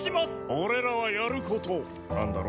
俺らはやることあんだろ！